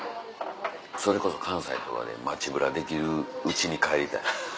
それこそ関西とかで街ブラできるうちに帰りたい。